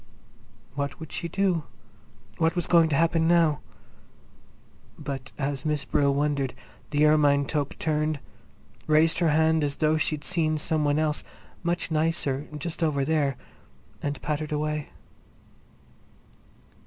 What would she do? What was going to happen now? But as Miss Brill wondered, the ermine toque turned, raised her hand as though she'd seen some one else, much nicer, just over there, and pattered away.